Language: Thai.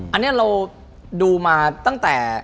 อันนี้เราดูมาตั้งแต่